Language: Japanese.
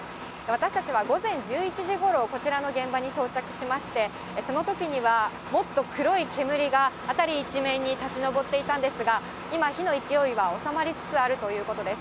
私たちは午前１１時ごろ、こちらの現場に到着しまして、そのときには、もっと黒い煙が、辺り一面に立ち上っていたんですが、今、火の勢いは収まりつつあるということです。